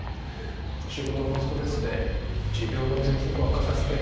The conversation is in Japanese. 仕事のストレスで持病のぜんそくを悪化させて。